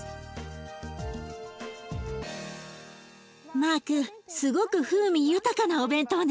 マークすごく風味豊かなお弁当ね。